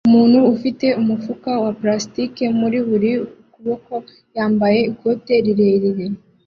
Umuntu ufite umufuka wa plastike muri buri kuboko yambaye ikote rirerire